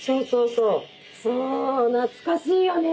そう懐かしいね。